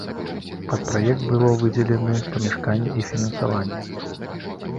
Пад праект было выдзелены памяшканні і фінансаванне.